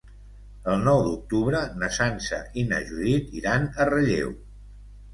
El nou d'octubre na Sança i na Judit iran a Relleu.